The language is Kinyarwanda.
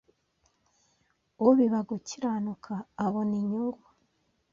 Img ubiba gukiranuka abona inyungu